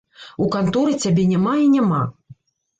У канторы цябе няма і няма.